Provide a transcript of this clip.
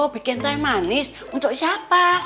bikin teh manis untuk siapa